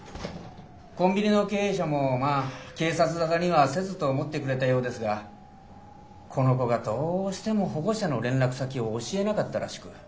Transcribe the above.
コンビニの経営者もまあ警察沙汰にはせずと思ってくれたようですがこの子がどうしても保護者の連絡先を教えなかったらしく。